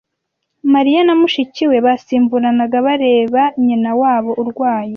Mariya na mushiki we basimburanaga bareba nyina wabo urwaye.